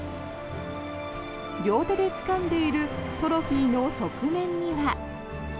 両手でつかんでいるトロフィーの側面には。